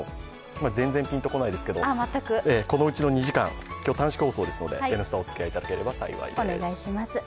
全然ぴんとこないですけど、このうちの２時間、今日、短縮放送ですので「Ｎスタ」、おつきあいいただければと思います。